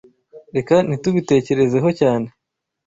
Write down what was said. Reka ntitubitekerezeho cyane .